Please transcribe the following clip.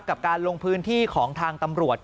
กับการลงพื้นที่ของทางตำรวจ